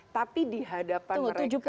tapi dihadapan mereka